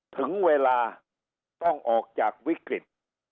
ถึงเวลาต้องออกจากวิกฤต